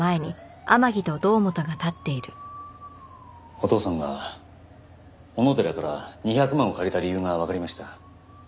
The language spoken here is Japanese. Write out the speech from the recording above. お父さんが小野寺から２００万を借りた理由がわかりました。